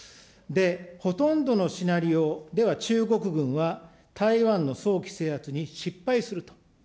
ほとんどのシナリオでは、中国軍は台湾の早期制圧に失敗すると。